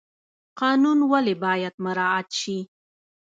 قانون ولې باید مراعات شي؟